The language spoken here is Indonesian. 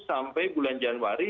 sampai bulan januari